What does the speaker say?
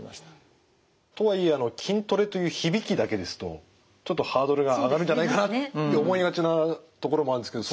とはいえあの筋トレという響きだけですとちょっとハードルが上がるんじゃないかなって思いがちなところもあるんですけどその辺。